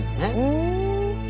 ふん。